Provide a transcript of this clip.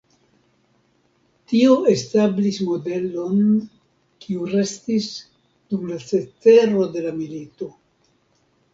Tio establis modelon, kiu restis dum la cetero de la milito.